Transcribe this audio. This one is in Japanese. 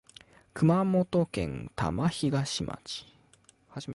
熊本県玉東町